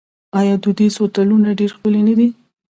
آیا دودیز هوټلونه ډیر ښکلي نه دي؟